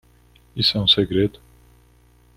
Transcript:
Isso é um segredo?